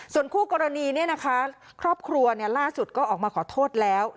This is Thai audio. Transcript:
ส่วนคู่กรณีเนี่ยนะคะครอบครัวเนี่ยล่าสุดก็ออกมาขอโทษแล้ว